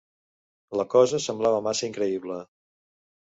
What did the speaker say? La cosa semblava massa increïble.